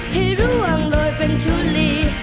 ให้ร่วงโรยเป็นชูลี